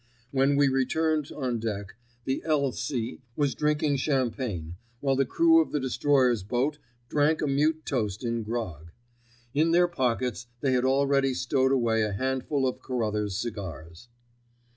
When we returned on deck the L. C. was drinking champagne, whilst the crew of the destroyer's boat drank a mute toast in grog. In their pockets they had already stowed away a handful of Carruthers' cigars.